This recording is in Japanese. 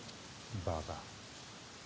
バカ。